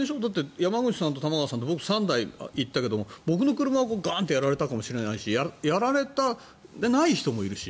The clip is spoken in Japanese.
山口さんと玉川さんで３台いったけど僕の車がガーンとやられたかもしれないしやられていない人もいるし。